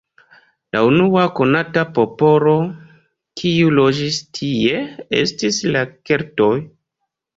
La unua konata popolo, kiuj loĝis tie, estis la keltoj.